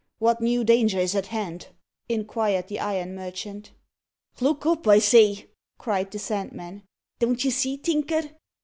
What new danger is at hand?" inquired the iron merchant. "Look up, I say," cried the Sandman. "Don't ye see, Tinker?"